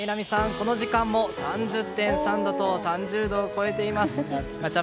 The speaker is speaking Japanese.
この時間も３０．３度と３０度を超えています。